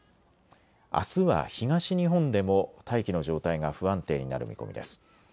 あすは東日本でも大気の状態が不安定になる見込みです。